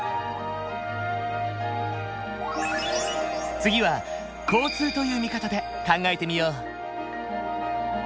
次は交通という見方で考えてみよう。